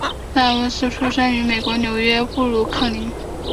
戴维斯出生于美国纽约布鲁克林。